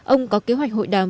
ông có kế hoạch hội đàm